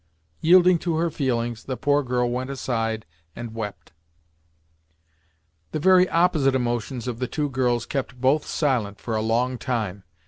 Yielding to her feelings, the poor girl went aside and wept. The very opposite emotions of the two girls kept both silent for a long time.